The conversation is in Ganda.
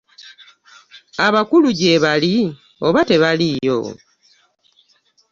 Abakulu gye bali oba tebaliyo?